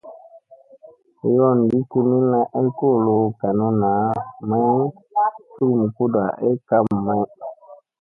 Yoongi kimilla ay kolo hu ganunna may cugum kuda ay kam may.